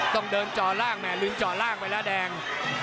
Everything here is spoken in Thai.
ต้องเดินจ่อล่างแม่ลืมจ่อล่างไปแล้วแดง